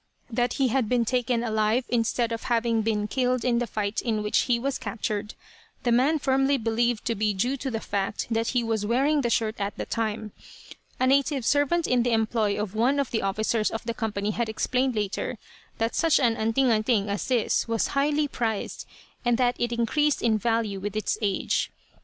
That he had been taken alive, instead of having been killed in the fight in which he was captured, the man firmly believed to be due to the fact that he was wearing the shirt at the time. A native servant in the employ of one of the officers of the company had explained later that such an "anting anting" as this was highly prized, and that it increased in value with its age.